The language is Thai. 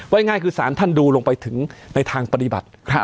ง่ายคือสารท่านดูลงไปถึงในทางปฏิบัติ